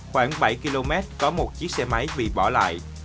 khoảng bảy km có một chiếc xe máy bị bỏ lại